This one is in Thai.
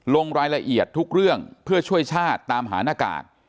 ลงรายละเอียดทุกเรื่องเพื่อช่วยชาติตามหาหน้ากาก